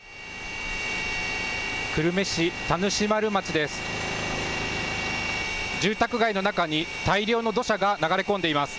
久留米市田主丸町です。